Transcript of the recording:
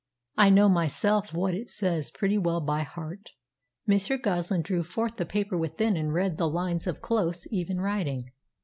I know myself what it says pretty well by heart." Monsieur Goslin drew forth the paper within and read the lines of close, even writing.